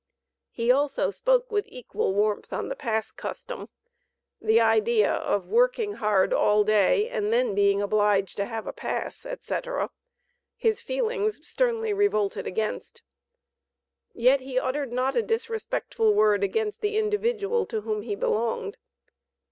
He also spoke with equal warmth on the pass custom, "the idea of working hard all day and then being obliged to have a pass," etc., his feelings sternly revolted against. Yet he uttered not a disrespectful word against the individual to whom he belonged.